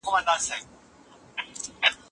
لیکوالانو ته د څېړني